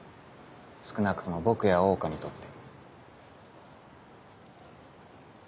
少なくとも僕や桜花にとって。